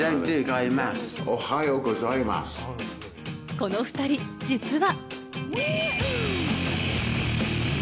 この２人、実は。